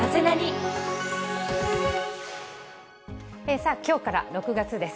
さあ、きょうから６月です。